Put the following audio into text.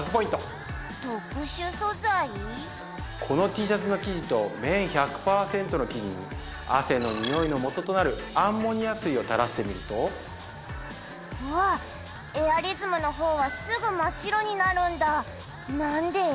このＴシャツの生地と綿１００％の生地に汗のにおいの元となるアンモニア水を垂らしてみるとうわエアリズムの方はすぐ真っ白になるんだなんで？